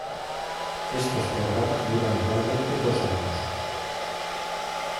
Estos programas duran igualmente dos años.